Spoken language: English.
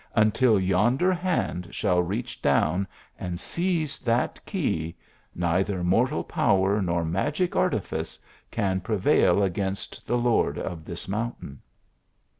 Until yonder hand shall reach down arid seize that key, neither mortal power, nor magic artifice, can prevail against the lord of this mountain."